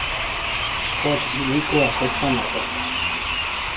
Scott y Niko aceptan la oferta.